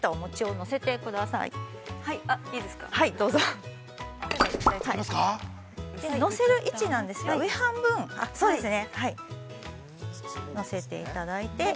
◆のせる位置なんですが上半分そうですね、のせていただいて。